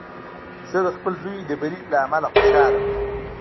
زه د خپل زوی د بري له امله خوشحاله وم.